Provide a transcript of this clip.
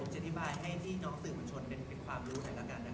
เช่นแต่ว่าเรื่องข่าวสารเรื่องที่มราชาชนุดให้ความสนใจ